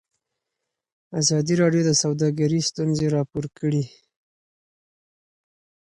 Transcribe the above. ازادي راډیو د سوداګري ستونزې راپور کړي.